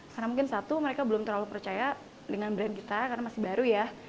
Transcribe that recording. karena mungkin satu mereka belum terlalu percaya dengan brand kita karena masih baru ya